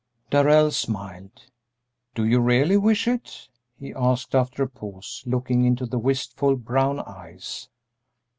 Darrell smiled. "Do you really wish it?" he asked, after a pause, looking into the wistful brown eyes.